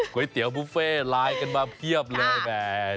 ๋เตี๋ยบุฟเฟ่ไลน์กันมาเพียบเลยแหม